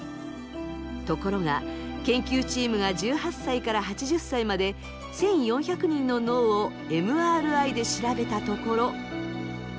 ところが研究チームが１８歳から８０歳まで１，４００人の脳をＭＲＩで調べたところ。